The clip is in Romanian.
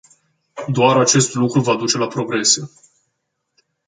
Doar acest lucru va duce la progrese!